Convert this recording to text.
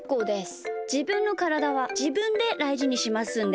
じぶんのからだはじぶんでだいじにしますんで。